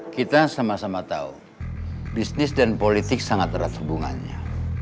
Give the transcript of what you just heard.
kita sama sama tahu bisnis dan politik sangat erat hubungannya